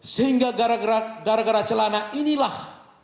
sehingga gara gara celana inilah